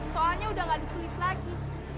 soalnya udah gak ditulis lagi